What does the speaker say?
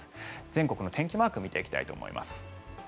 全国の天気マーク見ていきたいと思います。